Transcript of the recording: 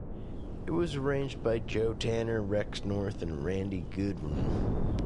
It was arranged by Joe Tanner, Rex North and Randy Goodrum.